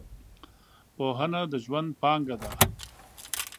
پوهنه د ژوند پانګه ده .